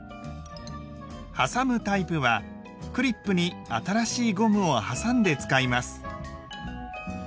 はさむタイプはクリップに新しいゴムをはさんで使います。